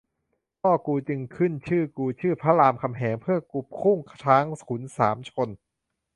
พ่อกูจึงขึ้นชื่อกูชื่อพระรามคำแหง เพื่อกูพุ่งช้างขุนสามชน